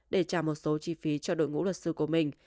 để trả một số chi phí cho đội ngũ luật sư của mình